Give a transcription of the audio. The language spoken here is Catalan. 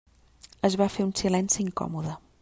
Es va fer un silenci incòmode.